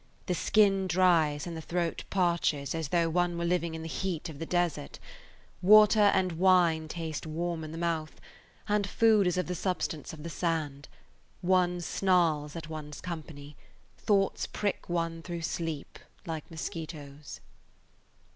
The skin dries and the throat parches as though one were living in the heat of the desert; water and wine taste warm in the mouth, and food is of the substance of the sand; one snarls at [Page 122] one's company; thoughts prick one through sleep like mosquitos.